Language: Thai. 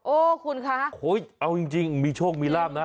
คุณคะเอาจริงมีโชคมีลาบนะ